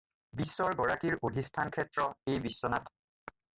বিশ্বৰ গৰাকীৰ অধিষ্ঠান ক্ষেত্ৰ এই বিশ্বনাথ।